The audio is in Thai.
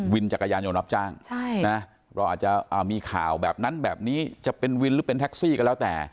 จักรยานยนต์รับจ้างเราอาจจะมีข่าวแบบนั้นแบบนี้จะเป็นวินหรือเป็นแท็กซี่ก็แล้วแต่